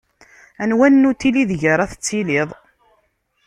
Anwa nnutil ideg ara tettiliḍ?